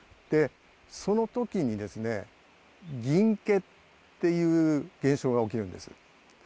その時にですね。っていう現象が起きるんです。